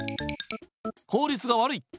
効率が悪い。